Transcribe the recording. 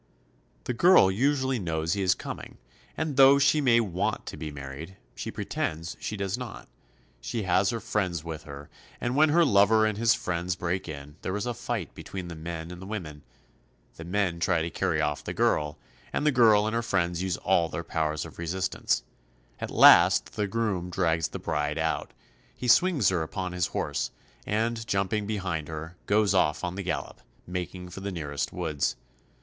The girl usually knows he is coming, and though she may want to be married, she pretends she does not. She has her friends with her, and when her lover and his friends break in, there is a fight between the men and the women. The men try to carry off the girl, and the girl and her friends use all their powers of resistance. At last the THE ARAUCANIANS. 143 .fe groom drags the bride out. He swings her upon his horse, and jumping behind her, goes off on the gallop, making for the nearest woods.